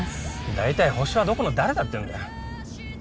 大体ホシはどこの誰だって言うんだよ。